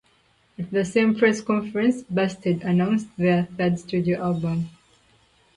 At the same press conference Busted announced their third studio album.